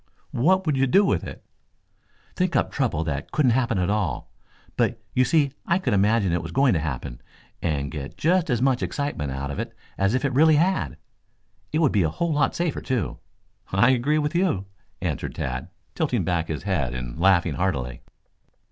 "What would you do with it?" "Think up trouble that couldn't happen at all. But you see I could imagine it was going to happen, and get just as much excitement out of it as if it really had. It would be a whole lot safer, too." "I agree with you," answered Tad, tilting back his head and laughing heartily.